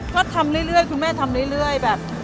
ก็ทำเรื่อยคุณแม่ทำเรื่อยแบบ